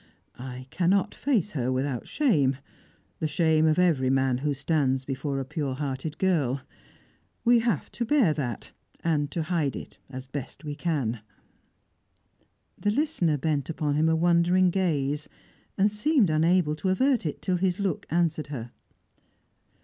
I cannot face her without shame the shame of every man who stands before a pure hearted girl. We have to bear that, and to hide it as best we can." The listener bent upon him a wondering gaze, and seemed unable to avert it, till his look answered her.